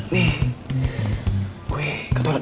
saya harus pergi ke toilet